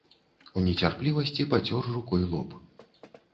У нецярплівасці пацёр рукой лоб.